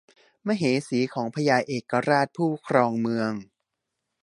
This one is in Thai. มเหสีของพญาเอกราชผู้ครองเมือง